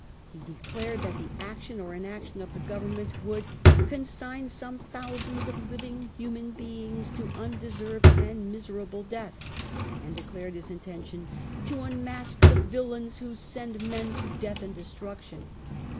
He declared that the action or inaction of the Government would " consign some thousands of living human beings to undesei'ved and miserable death," and declared his intention to " unmask the villains who send men to death and destruction